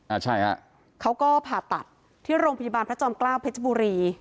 อ่าใช่ฮะเขาก็ผ่าตัดที่โรงพยาบาลพระจอมเกล้าเพชรบุรี